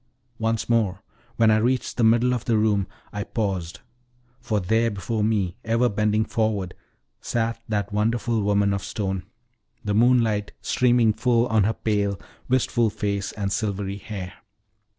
Once more, when I reached the middle of the room, I paused, for there before me, ever bending forward, sat that wonderful woman of stone, the moonlight streaming full on her pale, wistful face and silvery hair.